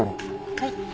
はい。